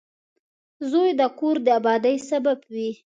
• زوی د کور د آبادۍ سبب وي.